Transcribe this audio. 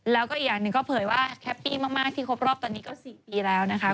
แล้วก็อีกอย่างหนึ่งก็เผยว่าแฮปปี้มากที่ครบรอบตอนนี้ก็๔ปีแล้วนะคะ